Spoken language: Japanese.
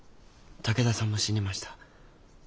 武田さんも死にました。